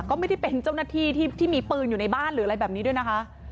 ก็ไม่ได้เป็นเจ้าหน้าที่ที่มีปืนอยู่ในบ้านหรืออะไรแบบนี้ด้วยนะคะ